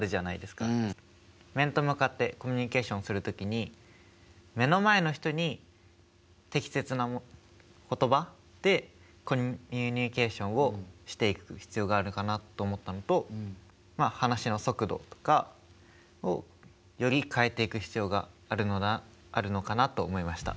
面と向かってコミュニケーションする時に目の前の人に適切な言葉でコミュニケーションをしていく必要があるかなと思ったのと話の速度とかをより変えていく必要があるのかなと思いました。